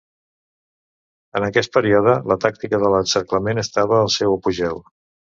En aquest període, la tàctica de l'encerclament estava al seu apogeu.